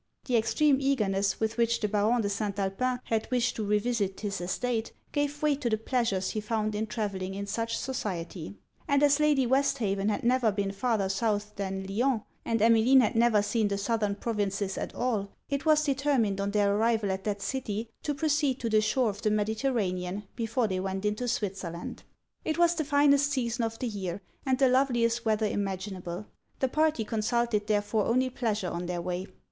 The extreme eagerness with which the Baron de St. Alpin had wished to revisit his estate, gave way to the pleasures he found in travelling in such society; and as Lady Westhaven had never been farther South than Lyons, and Emmeline had never seen the Southern Provinces at all, it was determined on their arrival at that city to proceed to the shore of the Mediterranean before they went into Switzerland. It was the finest season of the year and the loveliest weather imaginable. The party consulted therefore only pleasure on their way.